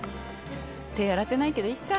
手洗ってないけどいいか。